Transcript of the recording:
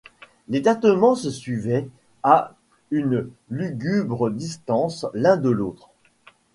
Les tintements se suivaient, à une lugubre distance l’un de l’autre.